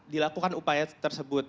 dilakukan upaya tersebut